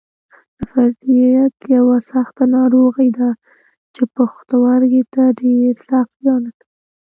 نفریت یوه سخته ناروغي ده چې پښتورګو ته ډېر سخت زیان رسوي.